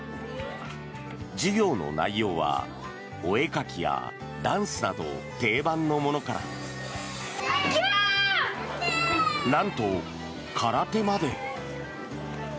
授業の内容は、お絵描きやダンスなど定番のものからなんと空手まで。